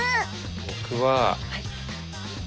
僕は。